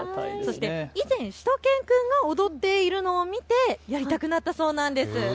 以前、しゅと犬くんが踊っているのを見てやりたくなったそうなんです。